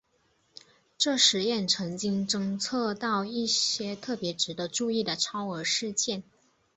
这实验曾经侦测到一些特别值得注意的超额事件。